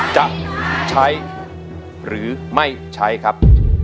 จะใช้หรือไม่ใช้ครับ